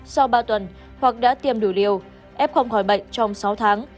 sau ba tuần hoặc đã tiêm đủ liều f không khỏi bệnh trong sáu tháng